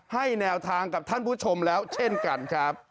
ให้แนวทางกับท่านผู้ชมแล้วเช่นกันครับ